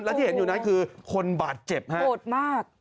แล้วที่เห็นอยู่นั้นคือคนบาดเจ็บฮะโหดมาก